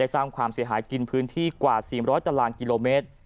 สร้างความเสียหายกินพื้นที่กว่า๔๐๐ตารางกิโลเมตร